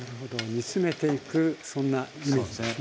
煮詰めていくそんなイメージですね。